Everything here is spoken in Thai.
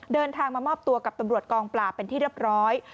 เดินทางมามอบตัวกับตำรวจกองปราบเป็นที่เรียบร้อย